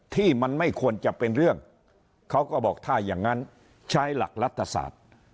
ที่มันไม่ควรจะเป็นเรื่องเขาก็บอกถ้าอย่างนั้นใช้หลักรัฐศาสตร์